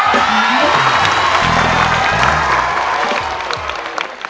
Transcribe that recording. คุณยาย